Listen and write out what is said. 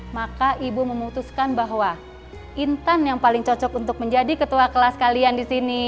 maka ibu memutuskan bahwa intan yang paling cocok untuk menjadi ketua kelas kalian di sini